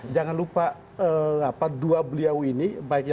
jangan lupa dua beliau ini